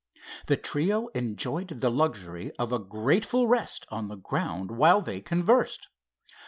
The trio enjoyed the luxury of a grateful rest on the ground while they conversed.